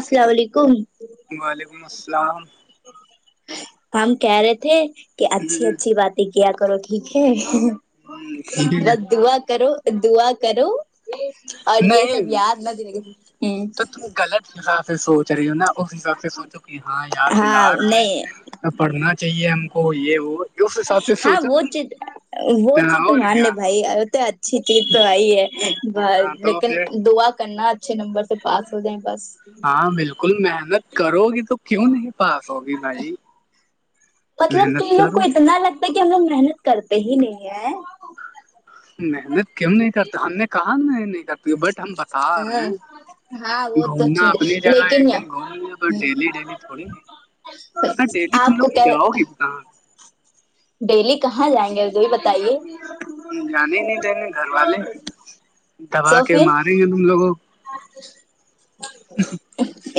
السلام علیکم وعلیکم السلام ہم کہہ رہے تھے کہ اچھی اچھی بات کیا کرو ٹھیک ہے ٹھیک ہے بس دوعا کرو دوعا کرو اور یہ نہیں سب یاد نہ رگے [unintelligible] تو تم غلط حساب سے سوچ رہی ہو نا اس حساب سے سوچو کہ ہاں یاد دلا ہاں رہا نہیں ہے پڑھنا چاہیے ہم کو یہ وہ اس حساب سے ہاں سوچا وہ نا چیز وہ چیز تو مان لے بھائی [unintelligible] اچھی چیز تو آئی ہے ہاں بس تو لیکن پھر دعا کرنا اچھے نمبر سے پاس ہو جائے بس ہاں بالکل محنت کرو گی تو کیوں نہیں پاس ہوگی بھائی مطلب تم محنت لوگ کو کرو اتنا لگتا ہے کہ ہم لوگ محنت کرتے ہی نہیں ہیں محنت کیوں نہیں کرتے ہم نے کہا ن محنت نہیں کرتی بٹ ہم بتا رہے ہاں ہاں، ہیں وہ تو گھومنا چیز اپنی جگہ لیکن ایک دن گھومنی ڈیلی ڈیلی تھوڑی ہاں ڈیلی آپ تم کو لوگ کیا جاؤ گے کہاں ڈیلی کہاں جائیں گے یہ بتائیے جانے ہی نہیں دینگے گھر والے دبا کے مارے گئی ہیں تم لوگوں ا [unintelligible] [unintelligible]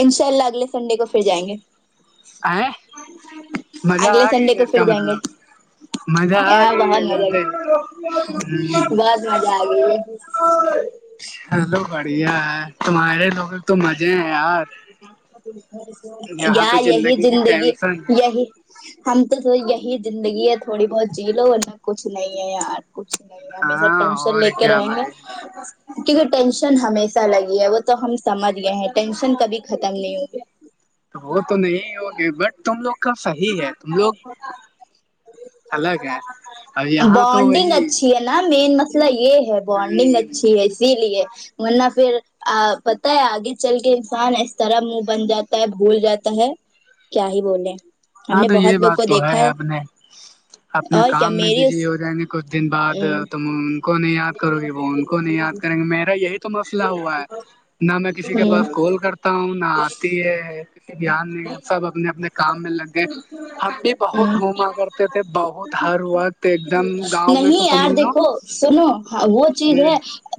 انشاء اللہ اگلے سنڈے کو پھر جائیں گے آئ مزہ اگلے آ گئی سنڈے ہے کو اس کا پھر جائیں گے مطلب مزہ آ گئی بہت ہے مزہ جاتے ہ [unintelligible] مزہ آگئے [unintelligible] چلو بڑھیا ہے تمارے لوگ تو مزے ہیں یار یہاں یا تو یہی کی زندگی ٹینشن یہی ہم تو یہی زندگی ہے تھوڑی بہت جی لو ورنہ کچھ نہیں ہے یار باقی سب ہاں ٹینشن لے اور کے کیا رہیں گے بھائی کیونکہ ٹینشن ہمیشہ لگی ہے وہ تو ہم سمجھ گئے ہیں ٹینشن کبھی ختم نہیں ہوگی تو وہ تو نہیں ہوگے بٹ تم لوگ کا صحیح ہے تم لوگ الگ ہے اور یہاں تو بائنڈنگ وہی اچھی ہے نا مین مسئلہ یہ ہے بانڈنگ ہ اچھی ہے اسی لیے ورنہ پھر آ پتا ہے آگے چل کے انسان اس طرح منہ بن جاتا ہے بھول جاتا ہے کیا ہی بولے ہم ہاں نے تو یہ بہت لوگ بات کو تو دیکھا ہے اپنے اپنے اور کیا کام میں میری بزی اس ہو جائیں گے کچھ دن بعد تم ان کو نہیں یاد کرو گی وہ ان کو نہیں یاد کرینگے میرا یہ تو مسئلہ ہوا ہے نہ میں کسی ہ کے پاس ہ کال کرتا ہوں نہ آتی ہے دھیان دیں سب اپنے اپنے کام میں لگے ہم بھی بہت ہ گھوما کرتے تھے بہت ہر وقت ایک دم گاؤں میں تو نہیں یار سمجھ لو دیکھو سنو وہ چیز ہ ہے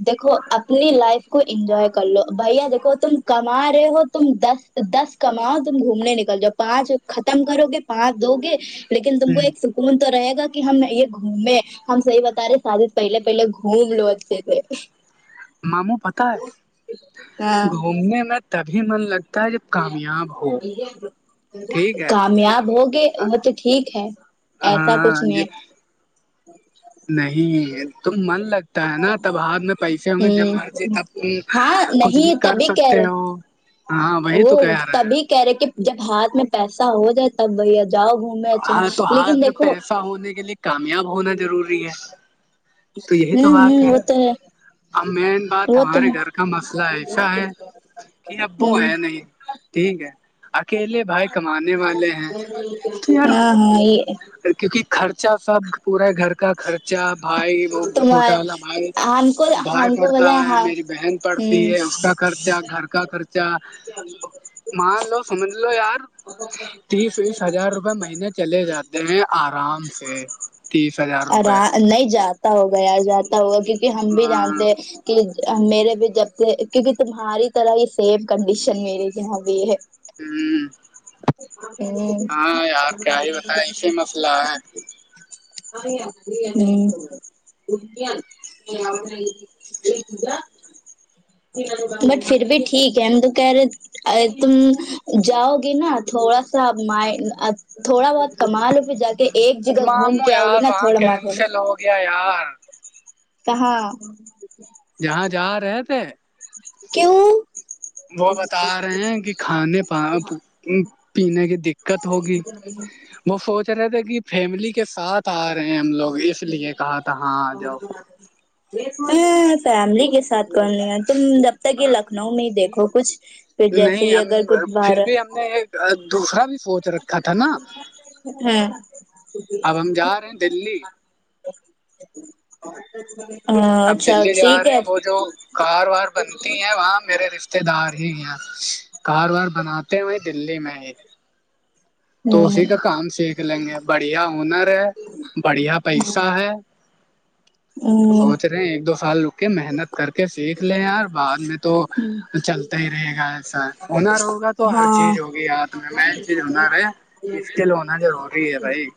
دیکھو اپنی لائف کو انجوائے کر لو بھیا دیکھو تم کما رہے ہو تم دس دس کماؤ تم گھومنے نکل جاؤ پانچ ختم کرو گے پانچ دو گے لیکن تم کو ہ ایک [unintelligible] ہم صحیح بتا رہے شادی پہلے پہلے گھوم لو اچھے سے ماموں پتا ہے ہاں گھومنے میں تبھی من لگتا ہے جب کامیاب ہو یہ ٹھیک ہے کامیاب ہوگے وہ تو ٹھیک ہے ایسا ہاں کچھ جب نہیں نہیں تو من لگتا ہے نا تب ہاتھ میں پیسے ہوں گے جب ہے مرضی ہ تب تو ہاں کچھ بھی نہیں کر تبھی کہہ سکتے رہے ہو ہاں وہی وہ تو کہہ رہے ہیں تبھی کہہ رہے کہ جب ہاتھ میں پیسہ ہو جائے تب بھیا جاؤ گھر ہاں تو ہاتھ میں پیسہ ہونے کے لیے کامیاب ہونا ضروری ہے تو یہی تو ہوں بات ہوں وہ ہے تو اب مین بات وہ تو ہمارے ہے گھر کا مسئلہ ایسا ہے کہ ابو ہوں ہے نہیں ٹھیک ہے اکیلے بھائی کمانے والے ہیں تو یار ہاں ہاں یہ کیونکہ خرچہ سب پورے گھر کا خرچہ بھائی وہ تمہار چھوٹا والا بھائی ہم کو بھائی ہم کو پڑھتا بولا ہے ہاں میری بہن پڑھتی ہوں ہے اس کا خرچہ گھر کا خرچہ مان لو سمجھ لو یار تیس ویس ہزار روپئے مہینے چلے جاتے گھر میں آرام سے تیس ہزار آرا روپئے نہیں جاتا ہوگا یار جاتا ہوگا کیونکہ ہم بھی ہاں جانتے ہیں کہ میرے بھی جب سے کیونکہ تمہاری طرح ہی سیم کنڈیشن میری یہاں بھی ہے ہ [inaudible] ہوں ہاں یار کیا ہی بتائیں ایسے مسئلہ ہے [unintelligible] [unintelligible] بٹ پھر بھی ٹھیک ہے ہم تو کہہ رہے تم جاؤ گے نا تھوڑا سا مائنڈ تھوڑا بہت کما لو گئے جا کے ایک جگہ گھوم کے آؤ گے نا تھوڑا م [unintelligible] کیا یار کہاں جہاں جہاں رہے تھے کیوں وہ بتا رہے ہیں کہ کھانے پینے کی دقت ہوگی [inaudible] وہ سوچ رہے تھے کہ فیملی کے ساتھ آ رہے ہیں ہم لوگ اس لیے کہا تھا ہاں آ جاؤ میں فیملی کے ساتھ کرنی ہے تم جب تک یہ لکھنؤ میں ہی دیکھو کچھ پھر جیسے نہیں ہی ہم اگر کچھ پھر باہر بھی ہم نے ایک دوسرا بھی سوچ رکھا تھا نا ہیں اب ہم جا رہے ہیں دلی ہاں اب اچھا دلی ٹھیک جا رہے ہے ہیں وہ جو کار وار بنتی ہیں وہاں میرے رشتے دار ہی ہیں کار وار بناتے وہی دللی میں ہی تو اسی کا کام سیکھ لیں گے بڑھیا ہونر ے بڑھیا پیسہ ہے تو سوچ ایک دو سال رک کے محنت کر کے سیکھ لے یار بعد میں تو چلتا ہی رہے گا ہونر وگا تو ہر ہاں چیز ہوگی ہاتھ میں مین چیز ہونر ہے اسکل ہونا ضروری ہے بھائی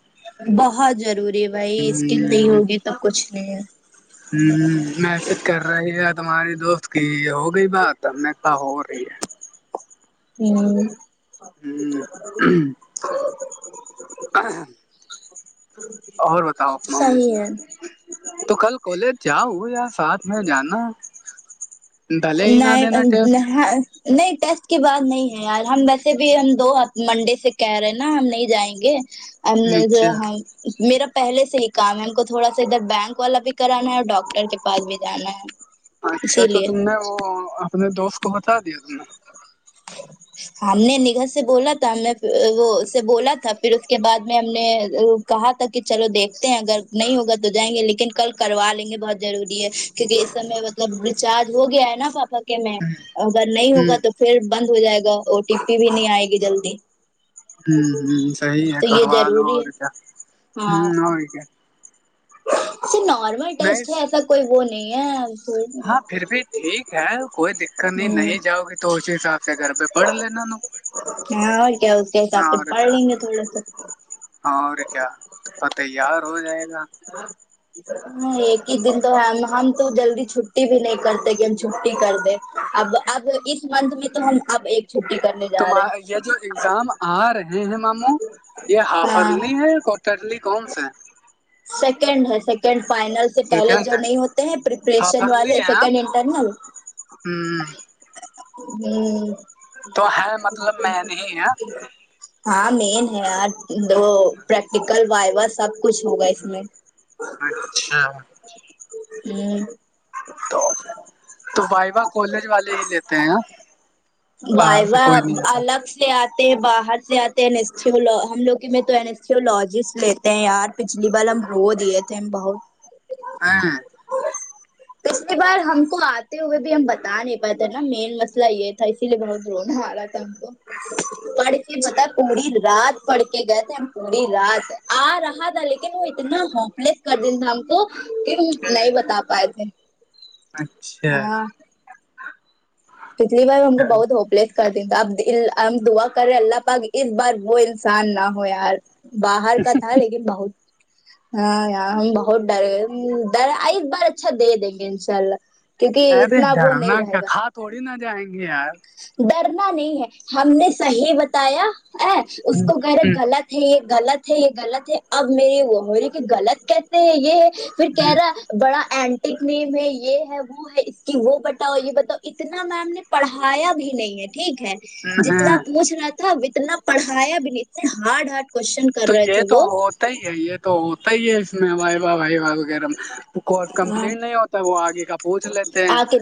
بہت ضروری بھائی اسکیل نہیں ہوں ہوگی سب کچھ نہیں ہے ہ میسج کر رہی ہے تمہاری دوست کی ہو گئی بات ا میں کہا ہو رہی ہے ہوں ہ اور بتاؤ اپنامی صحیح ہے تو کل کالج جاؤ یا ساتھ میں جانا بھلے ہی نہ نہیں دینا ٹیسٹ نہیں ٹیسٹ کی بات نہیں ہے یار ہم ویسے بھی ہم دوپ منڈے سے کہہ رہے ہیں نا ہم نہیں جائیں گے نے جو اچھا ہاں میرا پہلے سے ہی کام ہے ہم کو تھوڑا سا ادھر بینک والا بھی کرانا ہے اور ڈاکٹر کے پاس بھی جانا ہے اچھا اسی تو لیے تم نے وہ اپنے دوست کو بتا دیا تم نے ھم ہم نے نگہ سے بولا تھا ہم نے وہ سے بولا تھا پھر اس کے بعد میں ہم نے کہا تھا کہ چلو دیکھتے ہیں اگر نہیں ہوگا تو جائیں گے لیکن کل کروا لیں گے بہت ضروری ہے کیکہ اس سمے مطلب ریچارج ہو گیا ہے نا پاپا میں اگر نہیں ہ ہوگا تو پھر بند ہو جائے گا او ٹی پی بھی نہیں آئے گی جلدی ہ ہ صحیح ہے تو یہ کروا لو ضروری اور ہے کیا ہاں ہ اور کیا ا نارمل نہیں ٹیسٹ ہے ایسا کوئی وہ نہیں ہے ہاں پھر بھی ٹھیک ہے کوئی دقت نہیں ہ نہیں جاؤ گی تو اسی حساب سے گھر پہ پڑھ لینا ہاں اور کیا اس کے حساب نا پھر اور پڑھ کیا لیں گے تھوڑا سا اور کیا پ تیار ہو جائے گا ہاں ایک ہی دن تو ہے ہم تو جلدی چھٹی بھی نہیں کرتے کہ ہم چھٹی کر دیں اب اب اس منتھ میں تو ہم اب ایک چھٹی کرنے ت جا رہے ہیں یہ جو ایگزام آ رہے ہیں ماموں یہ ہاں ہافرلی ہے کوٹرلی کون سا ہے سیکنڈ ہے سیکنڈ فائنل پہلے سیکنڈ جو ہے نہیں ہوتے ہیں پپریشن ہافرلی والے ہے سیکنڈ انٹرنل ہوں ہ تو ہے مطلب میں نہیں ہے ہاں مین ہے یار دو پریکٹیکل وائوا سب کچھ ہوگا اس میں اچھا ہوں تو تو وائوا کالج والے ہی لیتے ہیں وائے باہر و سے کوئی ال نہیں آتا الگ سے آتے باہر سے آتے ہیں ہم لوگ میں تو انسٹیولوجسٹ لیتے یار پچھلی بار ہم ہو دیے تھے بہت ہاں ا پچلی بار ہم کو آتے ہوئے بھی ہم بتا نہیں پاتے نا مین مسئلہ یہ تھا اس ب دون ہوا کو پڑکے اچھا بتا کوڑی رات پڑھ کے گئے تھے ہم پوری رات آ رہا تھا لیکن وہ اتنا ہوپلیس کر دین تھا ہم کو نہیں بتا پائے تھے اچھا پچھلیار ہم کو چل بہت ہوپ لیس کر د اب ہم دعا کر رہے اللہ پ اس بار وہ انسان نہ ہو یار باہر کا تھا لیکن بہت ہاں یار ہم بہت ڈر گئے ڈ ایک بار اچھا دے دیں گے انشاء اللہ کیونکہ ارے اتنا وہ نہیں ڈرنا رہے کیا گا کھا تھوڑی نہ جائیں گے یار ڈرنا نہیں ہے ہم نے صحیح بتایا ا اس کو گھر ہ غلط یہ غلط ہے یہ غلط ہے اب میری وہہوری کی غلط کہتے ہیں یہ پھر کہہ ہ رہا ہے بڑا این نم ہے یہ ہے وہ ہے اس کی وہ بتاؤ یہ بتاؤ اتنا میم نے پڑھا آیا بھی نہیں ہے ٹھیک ہے ہ جتنا ہاں پوچ رہا تھا اتنا پڑھیا اب نہیں اتنے ہارڈ ہارڈ کوشچن تو کر رہے یہ تھے تو وہ ہوتا ہی ہے یہ تو ہوتا ہی ہے اس میں وائی باہ وھائی باہ کس کمپلیٹ نہیں ہوتا وہ آگے کا پوچھ لیتے ہیں آ کے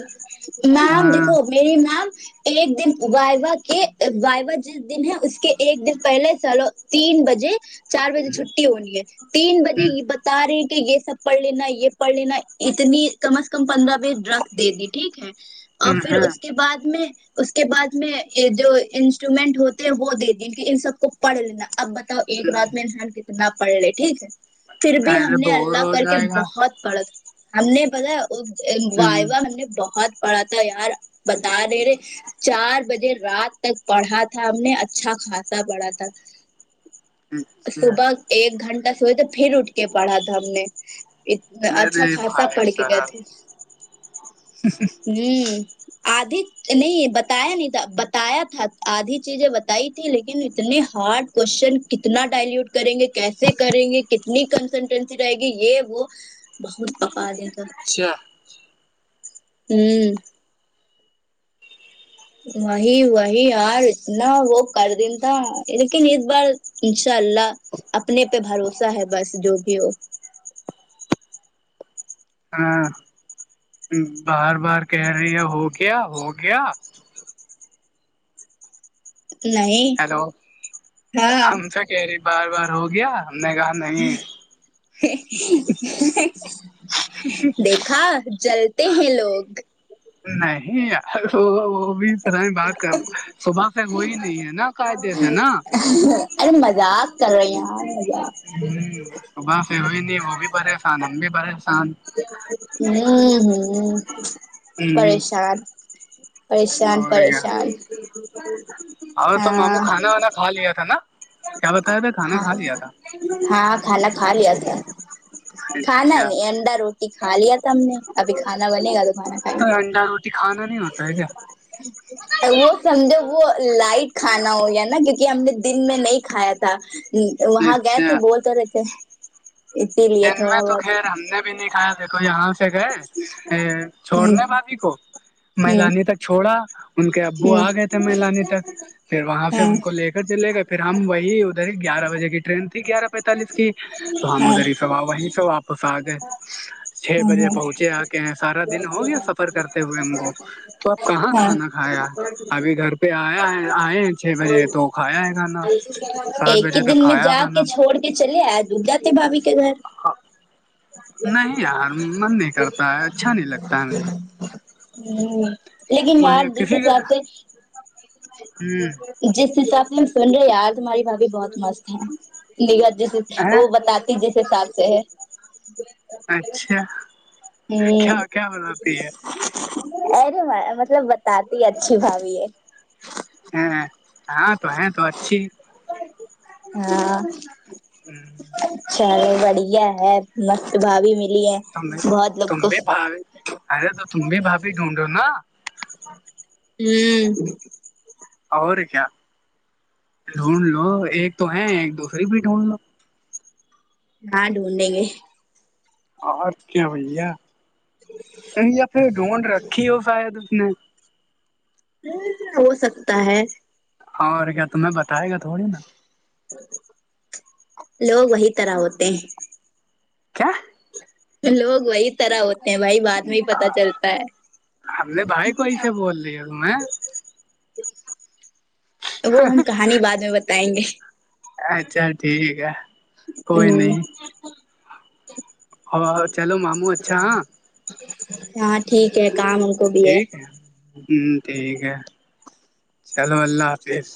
میم ہ دیکھو میری نام ایک دن وائوا کے وائوا جس دن ہے اس کے ایک دن پہلے چلو تین بجے چار بجے ہوں، چھٹی ہونی ہے تین بجے یہ ہوں، بتا رہے ہیں کہ یہ سب پڑھ لینا یہ پڑھ لینا اتنی کم از کم پندرہ بیس ڈرگس دے دی ٹھیک ہے اور پھر ہوں، اس کے بعد میں اس کے بعد میں جو انسٹرومنٹ ہوتے ہیں وہ دے دی ان سب کو پڑھ لینا اب ب ایک ہوں۔ رات میں انسان کتنا پڑھ لے ٹھیک ہے پھر بھی ہم ارے نے بور اللہ ہو کر کے جائے گا بہت پڑ ہم نے بت ہوں، وائوا ہم نے بہت پڑا تھا یار بتا رہے رہے چار بجے رات تک پڑھا تھا ہم نے اچھا خاصا پڑھا تھا اچھا۔ صبح ایک گھنٹہ صبح تو پھر اٹھ کے پڑھا تھا ہم نے انا اچھا ارے خاصا بھائی پڑھ کے گئے صاحب تھے ہ ادھ نہیں بتایا نہیں تھا بتایا تھا آدھی چیزیں بتائی تھی لیکن اتنے ہارڈ کوشچن کتنا ڈائلوٹ کریں گے کیسے کریں گے کتنی کنسلٹنسی رہے گی یہ وہ بہت پکا دیں تو اچھا ہوں وہی وہی یار اتنا وہ کر دین لیکن اس بار انشاء اللہ اپنے پہ بھروسہ ہے بس جو بھی ہو ہاں بار بار کہہ رہی ہے ہو گیا ہو گیا نہیں ہیلو ہاں ہم سے کہہ رہی بار بار ہو گیا ہم نے کہا نہیں دیکھا جلتے ہیں لوگ نہیں آ س وہ بھی ف بات کر صبح سے وہئی نہیں ہے نا قعدے سے نا ارے مذاق کر رہے یار مذاق ہ صبح سے ہوئی نہیں وہ بھی پریشان ہم بھی پریشان ہ ہ ہ پریشان پریشان پریشان ا تو ماموں ہاں کھانا وانا کا لیا تھا نا کیا بتایا تھا کھانا کھا لیا تھا ہاں ہاں کھانا کھا لیا تھا کھانا اچھا نہیں انڈا روٹی کھا لیا تھا ہم نے ابھی کھانا بنے گا تو کھانا کھا ٹنڈا روٹی کھانا نہیں ہوتا ہے کیا [unintelligible] ا وہ سمجھو وہ لائٹ کھانا ہو یا نا کیونکہ ہم نے دن میں نہیں کھایا تھا وہاں گئے تھے اچھا بول ہو رہے تھے اسی لیے دن میں تھوڑا تو بہت خیر ہم نے بھی نہیں کھایا دیکھو یہاں سے گئے ا چھوڑنے بھابھی کو ہ مہلانی تک چھوڑا ان کے ہ ابو آ ہ گئے تھے مل آنے تک پھر وہاں سے ہاں ان کو لے کر چلے گا پھر ہم وہی ادھر گیارہ بجے کی ٹرین تھی گیارہ پینتالس کی تو ہم ہاں ادھر ہی سے وہیں سے واپس آ گئے چھ ہ بجے پہنچے آ کے سارا دن ہو گیا سب ر کرتے ہوئے ہم کو تو آپ کہاں ہاں کھانا کھایا ابھی گھر پہ آیا ہے آئے چھ بجے تو کھایا ہے کھانا سات ایک بجے ہی تک دن میں کھایا ہے جا کھانا کے چھوڑ کے چلے آ دب جاتے بھابھی کے گھر نہیں یار من نہیں کرتا ہے اچھا نہیں لگتا ہے مجھے ہوں لیکن یار میں جیسے کسی کے چاہتے جس حساب سے ہم سن رہے ہیں یار تہاری بھابھی بہت مست ہے نگ جس ہ وہ بتات جیس حساب سے ہے اچھا ہ کیا کیا بتاتی ہے ارے مطلب بتاتی اچھی بھاابھی ہے ہاں ہاں تو ہ تو اچھی ہاں چل بڑھیا ہے مست بھا بھیی ملی ہے بہت لوگ تم کو بھی بھاب ارے تو تم بھی بھاابی ڈھونڈو نا ہوں اور کیا ڈھونڈ لو ایک تو ہے ایک دوسریے بھی ڈھونڈ لو ہاں ڈھونڈیں گے اور کیا بھیا بیا پھر ڈھونڈ رکھی ہو شاید اس نے ہو سکتا ہے اور کیا تمہیں بتائے گا تھوڑی نا لوگ وہی طرح ہوتے ہیں کیا لوگ وہی طرح ہوتے ہیں بائی بعد میں ہی پتا چلتا ہے ہم نے بھائی کوئی سے بول رہی ہے تمہیں وہ ہم کہانی بعد میں بتائیں گے اچھا ٹھیک ہے ہوں ہاں چلو ماموں اچھا ہاں ہاں ٹھیک ہے کام کو بھی ٹھیک ہے ہ ٹھیک ہے چلو اللہ حافظ